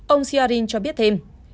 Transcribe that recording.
ông siarin cho biết thêm